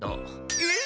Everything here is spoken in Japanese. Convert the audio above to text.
えっ！？